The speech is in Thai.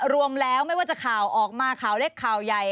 รวมแล้วไม่ว่าจะข่าวออกมาข่าวเล็กข่าวใหญ่